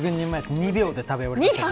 ２秒で食べ終わりました。